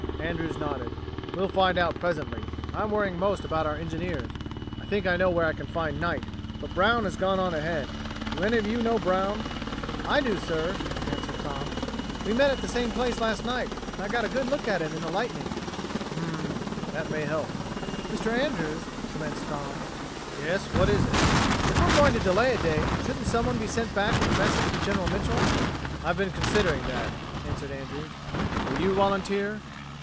Andrews nodded. "We'll find out presently. I'm worrying most about our engineers. I think I know where I can find Knight, but Brown has gone on ahead. Do any of you know Brown?" "I do, sir," answered Tom. "We met at the same place last night, and then I got a good look at him in the lightning." "Hm m m! That may help." "Mr. Andrews," commenced Tom. "Yes? What is it?" "If we're going to delay a day, shouldn't someone be sent back with a message for General Mitchel?" "I've been considering that," answered Andrews. "Will you volunteer?"